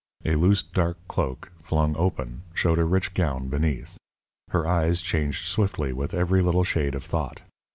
A loose, dark cloak, flung open, showed a rich gown beneath. Her eyes changed swiftly with every little shade of thought.